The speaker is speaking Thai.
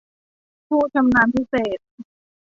ผู้ชำนาญพิเศษ